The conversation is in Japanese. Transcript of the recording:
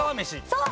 そう！